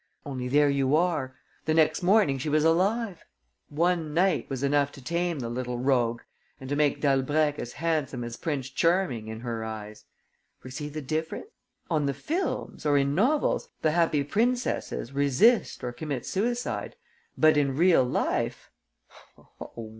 Only, there you are: the next morning she was alive! One night was enough to tame the little rogue and to make Dalbrèque as handsome as Prince Charming in her eyes! For see the difference. On the films or in novels, the Happy Princesses resist or commit suicide. But in real life